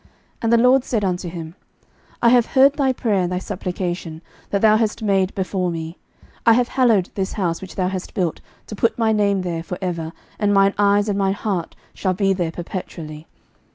11:009:003 And the LORD said unto him, I have heard thy prayer and thy supplication, that thou hast made before me: I have hallowed this house, which thou hast built, to put my name there for ever; and mine eyes and mine heart shall be there perpetually.